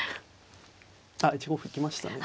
あっ１五歩行きましたね。